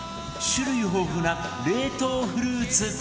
種類豊富な冷凍フルーツ